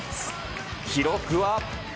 記録は。